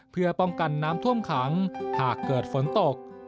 เพื่อป้องกันน้ำท่วมขังหากเกิดฝนตก